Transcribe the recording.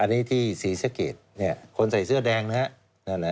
อันนี้ที่สีเสื้อเกดเนี่ยคนใส่เสื้อแดงนะฮะนั่นแหละ